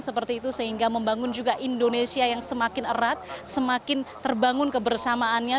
seperti itu sehingga membangun juga indonesia yang semakin erat semakin terbangun kebersamaannya